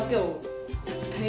nó không thực tế